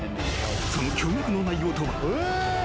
その驚愕の内容とは。